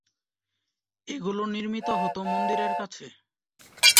এগুলি নির্মিত হত মন্দিরের কাছে।